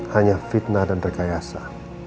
hanya fitnah dan rekayasa